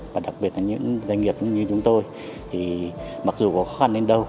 và đặc biệt là những doanh nghiệp như chúng tôi thì mặc dù có khó khăn đến đâu